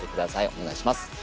お願いします